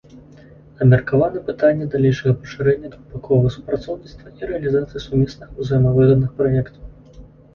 Абмеркаваны пытанні далейшага пашырэння двухбаковага супрацоўніцтва і рэалізацыі сумесных узаемавыгадных праектаў.